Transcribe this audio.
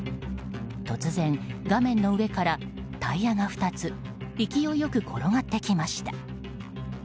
突然、画面の上からタイヤが２つ勢い良く転がってきました。